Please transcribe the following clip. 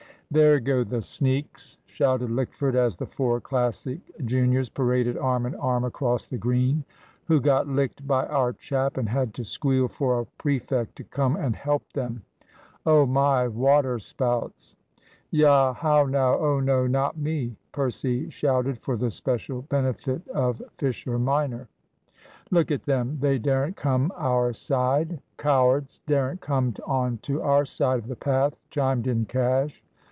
"There go the sneaks," shouted Lickford, as the four Classic juniors paraded arm in arm across the Green. "Who got licked by our chap and had to squeal for a prefect to come and help them? Oh my waterspouts!" "Ya how now oh no, not me!" Percy shouted for the special benefit of Fisher minor. "Look at them! They daren't come our side. Cowards! daren't come on to our side of the path," chimed in Cash.